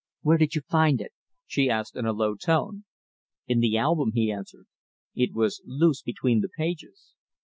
"Where did you find it?" she asked, in a low tone. "In the album," he answered. "It was loose between the pages."